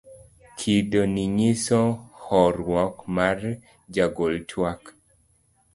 kido ni nyiso horuok mar jagol twak